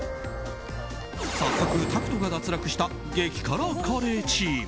早速タクトが脱落した激辛カレーチーム。